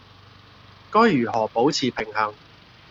該如何保持平衡